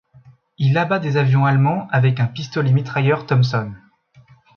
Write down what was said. Il abat des avions allemands avec un pistolet mitrailleur Thompson.